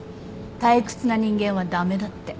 退屈な人間は駄目だって。